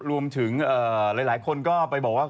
รวมถึงหลายคนก็ไปบอกว่า